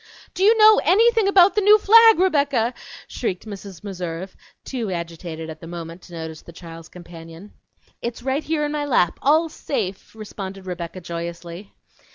"Do you know anything about the new flag, Rebecca?" shrieked Mrs. Meserve, too agitated, at the moment, to notice the child's companion. "It's right here in my lap, all safe," responded Rebecca joyously.